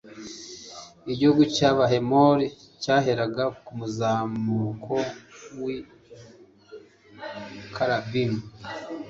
igihugu cy'abahemori cyaheraga ku muzamuko w'i karabimu